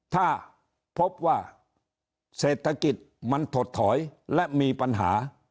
ถ้าพบว่าเศรษฐกิจมันถดถอยและมีปัญหา